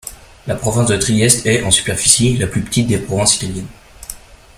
La province de Trieste est, en superficie, la plus petite des provinces italiennes.